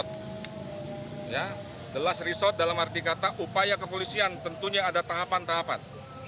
the last resort dalam arti kata upaya kepolisian tentunya ada tahapan tahapan